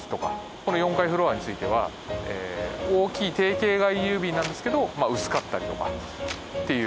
この４階フロアについては大きい定形外郵便なんですけどまあ薄かったりとかっていうもの。